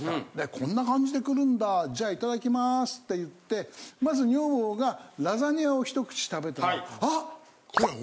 こんな感じで来るんだじゃあいただきますって言ってまず女房がラザニアを一口食べたらあ！って言って。